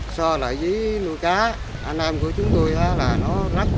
so lại với nuôi cá anh em của chúng tôi là nó rách